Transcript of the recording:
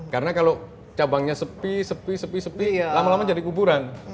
karena kalau cabangnya sepi sepi sepi sepi lama lama jadi kuburan